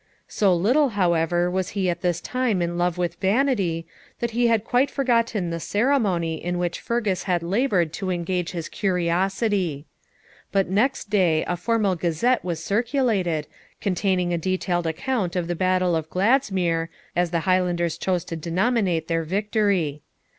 So little, however, was he at this time in love with vanity, that he had quite forgotten the ceremony in which Fergus had laboured to engage his curiosity. But next day a formal 'Gazette' was circulated, containing a detailed account of the battle of Gladsmuir, as the Highlanders chose to denominate their victory.